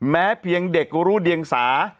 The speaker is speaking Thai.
แม้เพียงเด็กรู้เดียงสา